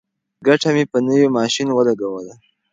ګټه مې په نوي ماشین ولګوله.